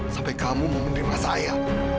sampai kamu mau menerima saya